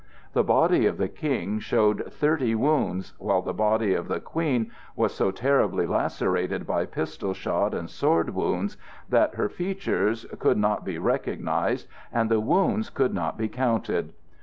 The body of the King showed thirty wounds, while the body of the Queen was so terribly lacerated by pistol shot and sword wounds that her features could not be recognized, and the wounds could not be counted.